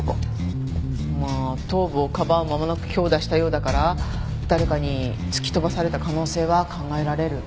まあ頭部をかばう間もなく強打したようだから誰かに突き飛ばされた可能性は考えられる。